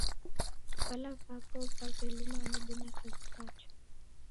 Vala vapo vaw'eluma nabonya kazi pacha.